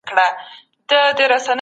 سفیرانو به د سولي لپاره هڅي کولې.